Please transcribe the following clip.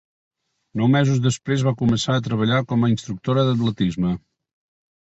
Nou mesos després va començar a treballar com a instructora d"atletisme.